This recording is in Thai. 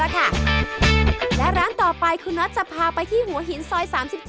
และร้านต่อไปคุณน็อตจะพาไปที่หัวหินซอย๓๗